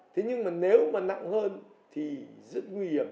thế nhưng mà nếu mà nặng hơn thì rất nguy hiểm